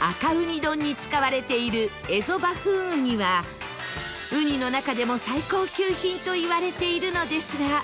赤うに丼に使われているエゾバフンウニはウニの中でも最高級品といわれているのですが